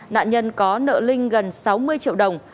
nạn nhân có nợ linh gần sáu mươi triệu đồng